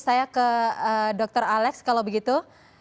saya ke dr alex kalau begitu